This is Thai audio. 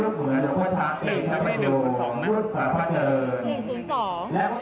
เลือกสาธารณ์ภาคเจิญแล้วก็๑๐๒